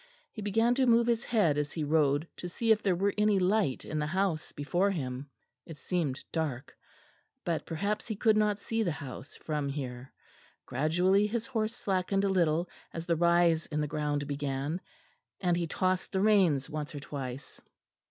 He began to move his head as he rode to see if there were any light in the house before him; it seemed dark; but perhaps he could not see the house from here. Gradually his horse slackened a little, as the rise in the ground began, and he tossed the reins once or twice.